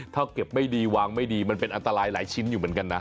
ถ้าเก็บไม่ดีวางไม่ดีมันเป็นอันตรายหลายชิ้นอยู่เหมือนกันนะ